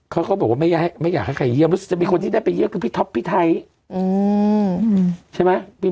เขาก็บอกว่าไม่อยากให้ใครเยี่ยมรู้สึกจะมีคนที่ได้ไปเยี่ยมคือพี่ท็อปพี่ไทยใช่ไหม